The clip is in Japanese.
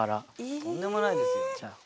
とんでもないですよ。